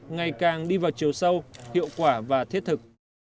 ngày càng đi vào chiều sâu hiệu quả và thiết thực